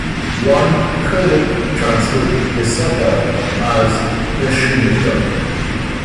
One could translate DeSutter as 'The Shoemaker'.